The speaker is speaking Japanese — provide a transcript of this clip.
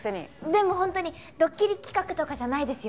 でも本当にドッキリ企画とかじゃないですよ。